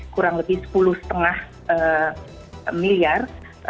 kurang lebih sepuluh lima miliar